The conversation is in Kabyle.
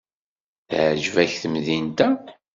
Teɛjeb-ak temdint-a?